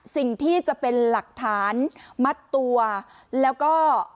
สิ่งที่จะเป็นหลักฐานมัดตัวแล้วก็